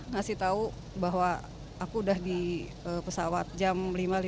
ngasih tahu bahwa aku udah di pesawat jam lima lima puluh